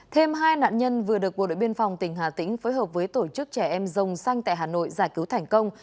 thêm hai nạn nhân vừa được bộ đội biên phòng tỉnh hà tĩnh phối hợp với tổ chức trẻ em dồng xanh tại hà nội giải cứu thành công